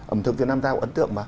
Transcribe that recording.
ẩm thực việt nam ta cũng ấn tượng mà